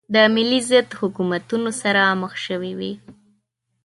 د ملي ضد حکومتونو سره مخ شوې وې.